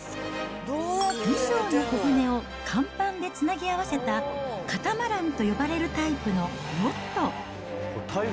２そうの小舟を甲板でつなぎ合わせた、カタマランと呼ばれるタイプのヨット。